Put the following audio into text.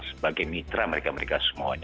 sebagai mitra mereka mereka semuanya